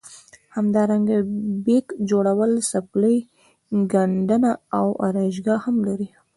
همدارنګه بیک جوړول څپلۍ ګنډنه او ارایشګاه هم لري.